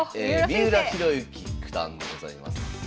三浦弘行九段でございます。